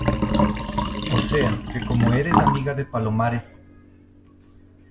o sea, que como eres amiga de Palomares